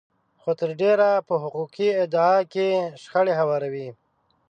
خو تر ډېره په حقوقي ادعا کې شخړې هواروي.